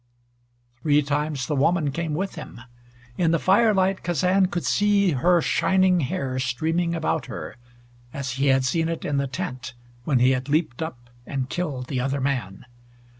Three times the woman came with him. In the firelight Kazan could see her shining hair streaming about her, as he had seen it in the tent, when he had leaped up and killed the other man.